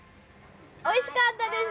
おいしかったです！